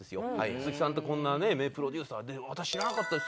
鈴木さんってこんな名プロデューサーで「私知らなかったです